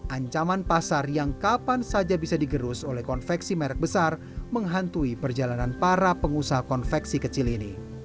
ancaman pasar yang kapan saja bisa digerus oleh konveksi merek besar menghantui perjalanan para pengusaha konveksi kecil ini